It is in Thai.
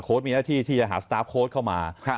โค้ชมีหน้าที่ที่จะหาโค้ชเข้ามาครับ